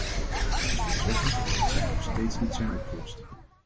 Het is veelzeggend dat zij nog steeds niet zijn opgelost.